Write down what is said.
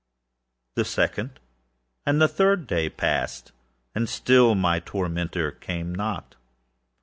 The second and the third day passed, and still my tormentor came not.